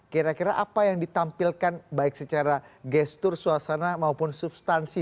kira kira apa yang ditampilkan baik secara gestur suasana maupun substansi